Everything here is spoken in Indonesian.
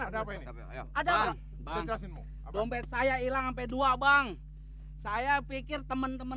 jangan pergi sama aku